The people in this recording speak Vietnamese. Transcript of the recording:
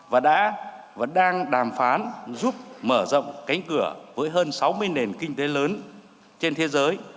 và đã và đang đàm phán giúp mở rộng cánh cửa với hơn sáu mươi nền kinh tế lớn trên thế giới